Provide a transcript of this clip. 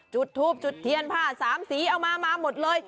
จุดทูบจุดเทียนผ้าสามสีเอามามาหมดเลย